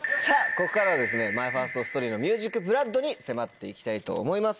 ここからはＭＹＦＩＲＳＴＳＴＯＲＹのＭＵＳＩＣＢＬＯＯＤに迫って行きたいと思います。